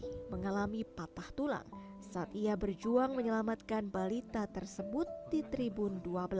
yang mengalami patah tulang saat ia berjuang menyelamatkan balita tersebut di tribun dua belas